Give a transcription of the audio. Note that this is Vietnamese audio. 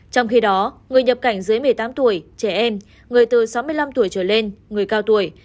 trong khi đó người nhập cảnh dưới một mươi tám tuổi trẻ em người từ sáu mươi năm tuổi trở lên người cao tuổi